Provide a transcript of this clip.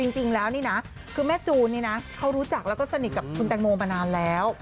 จริงแล้วนี่นะคือแม่จูนนี่นะเขารู้จักแล้วก็สนิทกับคุณแตงโมมานานแล้ว